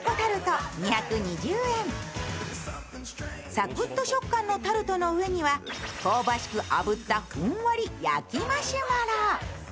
サクッと食感のタルトの上には香ばしくあぶった、ふんわり焼きマシュマロ。